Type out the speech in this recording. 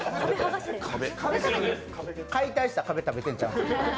解体した壁、食べてんのとちゃうの。